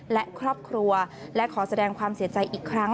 และครอบครัวและขอแสดงความเสียใจอีกครั้ง